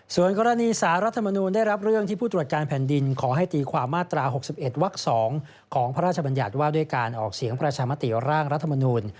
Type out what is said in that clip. ส่วนกรณีสารรัฐมนูลได้รับเรื่องที่ผู้ตรวจการแผ่นดินขอให้ตีความมาตรา๖๑วัก๒ของพระราชบัญญัติว่าด้วยการออกเสียงประชามติร่างรัฐมนูล